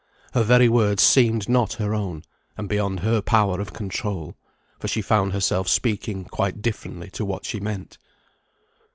Her very words seemed not her own, and beyond her power of control, for she found herself speaking quite differently to what she meant.